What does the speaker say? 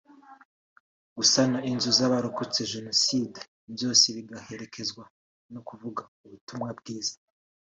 gusana inzu z’abarokotse Jenoside byose bigaherekezwa no kuvuga ubutumwa bwiza